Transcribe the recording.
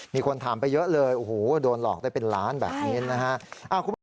มีคนถามไปเยอะเลยโอ้โหโดนหลอกได้เป็นล้านแบบนี้นะฮะ